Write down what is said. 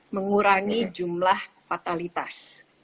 mengurangi jumlah fatalitas